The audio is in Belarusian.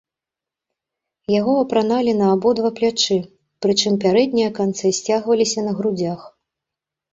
Яго апраналі на абодва плячы, прычым пярэднія канцы сцягваліся на грудзях.